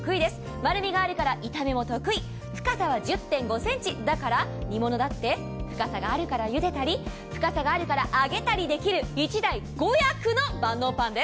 丸みがあるから炒めも得意、深さは１０．５ｃｍだから煮物だって、ゆでたり、深さがあるから揚げたりできる１台５役の万能パンです。